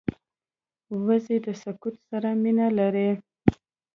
وزې د سکوت سره مینه لري